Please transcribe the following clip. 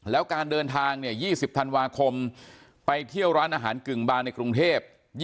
แล้วการเดินทาง๒๐ธันวาคมไปเที่ยวร้านอาหารกึ่งบานในกรุงเทพ